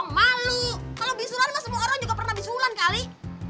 kalo bisulan mah semua orang juga pernah bisulan kali